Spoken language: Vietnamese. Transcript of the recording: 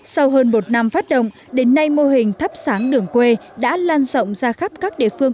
sau hơn một năm phát động đến nay mô hình thắp sáng đường quê đã lan rộng ra khắp các địa phương